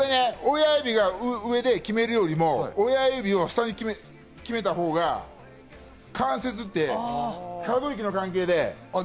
親指が上で決めるよりも親指を下で決めたほうが関節って可動域の関係で。